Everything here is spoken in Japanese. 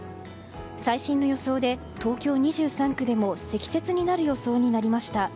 最新の予想で東京２３区でも積雪になる予想になりました。